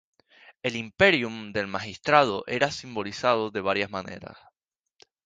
El "Imperium" del magistrado era simbolizado de varias maneras.